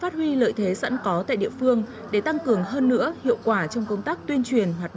của cái đội ngũ phòng viên